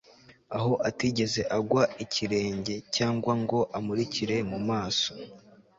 Aho atigeze agwa ikirenge cyangwa ngo amurikire mu maso